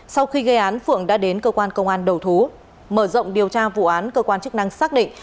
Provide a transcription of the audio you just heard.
sau khi gây án phượng đã đến cơ quan công an đầu thú mở rộng điều tra vụ án cơ quan chức năng xác định